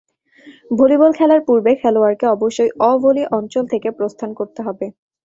Volleyball খেলার পূর্বে খেলোয়াড়কে অবশ্যই অ-ভলি অঞ্চল থেকে প্রস্থান করতে হবে।